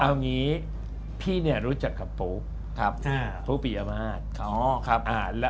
เอาอย่างนี้พี่รู้จักกับปุ๊บปุ๊บอย่างมาก